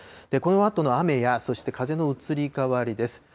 このあとの雨や、そして風の移り変わりです。